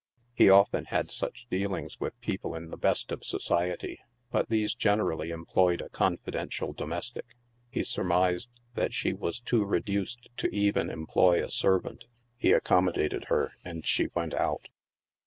He often had such dealings with people in the best of society, but these generally employed a confi dential domestic : he surmised that she was too reduced to even em ploy a servant 5 he accommodated her and she went out.